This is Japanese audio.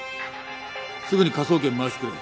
すぐに科捜研に回してくれ。